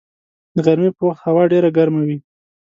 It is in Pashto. د غرمې په وخت هوا ډېره ګرمه وي